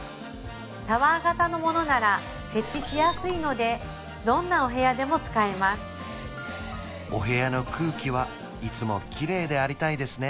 タワー型のものなら設置しやすいのでどんなお部屋でも使えますお部屋の空気はいつもきれいでありたいですね